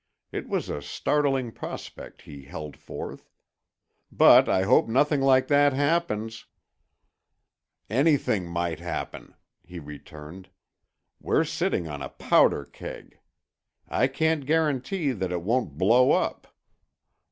It was a startling prospect he held forth. "But I hope nothing like that happens." "Anything might happen," he returned. "We're sitting on a powder keg. I can't guarantee that it won't blow up.